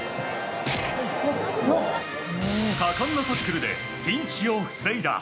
果敢なタックルでピンチを防いだ。